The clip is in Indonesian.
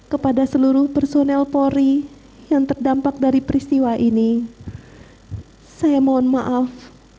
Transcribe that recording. kepada seluruh personel polri yang terdampak dari peristiwa ini saya mohon maaf